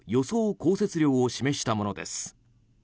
降雪量を示したものです。